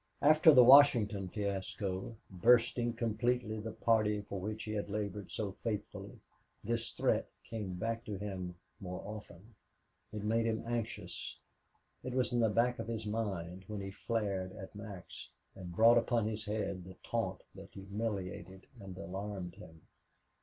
After the Washington fiasco, bursting completely the party for which he had labored so faithfully, this threat came back to him more often. It made him anxious. It was in the back of his mind when he flared at Max and brought upon his head the taunt that humiliated and alarmed him.